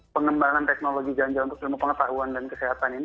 pengembangan teknologi ganja untuk ilmu pengetahuan dan kesehatan ini